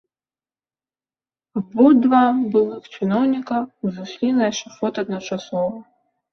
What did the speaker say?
Абодва былых чыноўніка узышлі на эшафот адначасова.